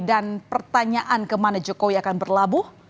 dan pertanyaan kemana jokowi akan berlabuh